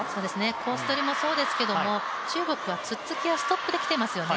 コースどりもそうですが、中国はツッツキがストップできていますよね。